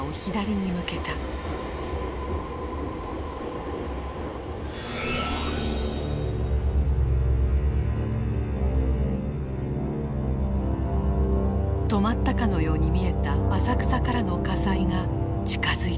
止まったかのように見えた浅草からの火災が近づいていた。